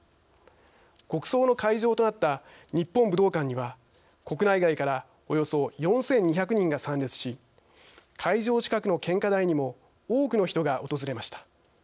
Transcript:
国葬の会場となった日本武道館には国内外からおよそ４２００人が参列し会場近くの献花台にも多くの人が訪れました。